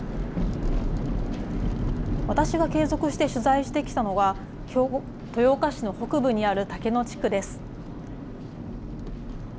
私が継続して取材してきたのが、豊岡市の北部にある竹野地区です。